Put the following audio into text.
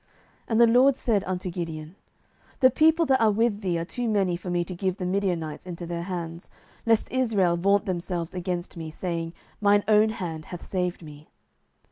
07:007:002 And the LORD said unto Gideon, The people that are with thee are too many for me to give the Midianites into their hands, lest Israel vaunt themselves against me, saying, Mine own hand hath saved me.